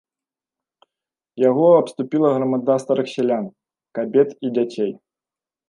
Яго абступіла грамада старых сялян, кабет і дзяцей.